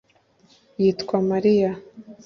Yitwa Mariya